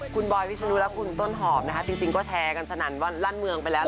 คุณบอยพิศนุและคุณต้นหอมจริงก็แชร์กันสนันวันร่านเมืองไปแล้วนะคะ